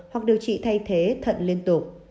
hoặc điều trị thay thế thận liên tục